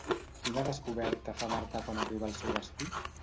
Quina descoberta fa Marta quan arriba al seu destí?